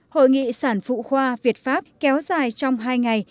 hội nghị sản phụ khoa việt pháp kéo dài trong hai ngày